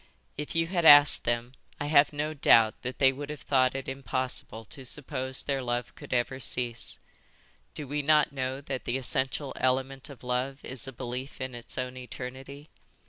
"If you had asked them I have no doubt that they would have thought it impossible to suppose their love could ever cease. Do we not know that the essential element of love is a belief in its own eternity?